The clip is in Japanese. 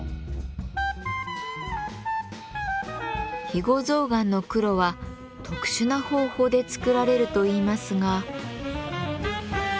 肥後象がんの黒は特殊な方法で作られるといいますが。